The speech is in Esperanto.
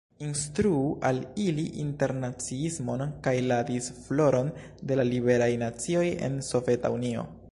Instruu al ili internaciismon kaj la disfloron de la liberaj nacioj en Soveta Unio.